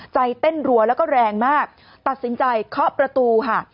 ใจเต้นรัวแล้วก็แรงมากตัดสินใจเคาะประตูค่ะ